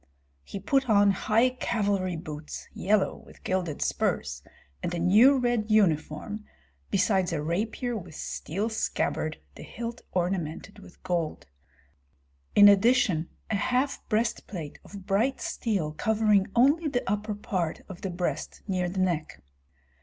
He put on high cavalry boots, yellow, with gilded spurs, and a new red uniform, besides a rapier with steel scabbard, the hilt ornamented with gold; in addition a half breastplate of bright steel covering only the upper part of the breast near the neck.